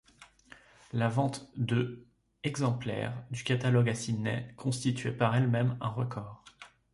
La vente de exemplaires du catalogue à Sydney constituait par elle-même un record.